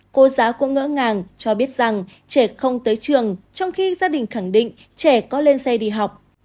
cô giáo cũng ngỡ ngàng cho biết rằng trẻ không tới trường trong khi gia đình khẳng định trẻ có lên xe đi học